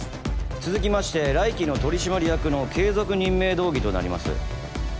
続きまして来期の取締役の継続任命動議となります